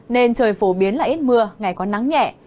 nên trời phổ biến là ít mưa ngày có nắng nhẹ